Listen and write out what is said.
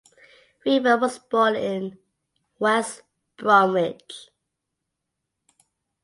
Revan was born in West Bromwich.